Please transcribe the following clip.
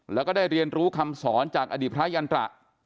แล้วก็ได้เรียนรู้คำสอนจากอดีตพระยันตระ